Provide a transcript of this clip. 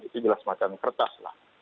itu adalah semacam kertas lah